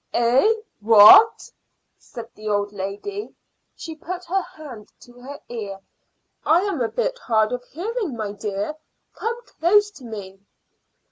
"Eh! What?" said the old lady. She put her hand to her ear. "I am a bit hard of hearing, my dear; come close to me."